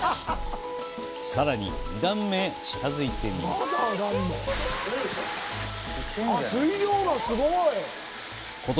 さらに二段目へ近づいてみます。